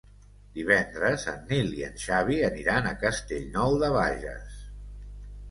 Divendres en Nil i en Xavi aniran a Castellnou de Bages.